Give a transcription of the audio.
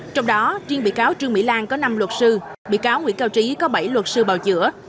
trong đó riêng bị cáo trương mỹ lan có năm luật sư bị cáo nguyễn cao trí có bảy luật sư bào chữa